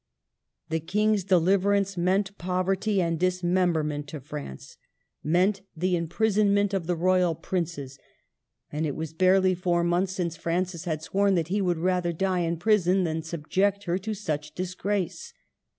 The King's deliverance meant poverty and dismemberment to France ; meant the imprisonment of the QUEEN OF NA VARRE, 1 1 5 Royal princes. And it was barely four months since Francis had sworn that he would rather die in prison than subject her to such disgrace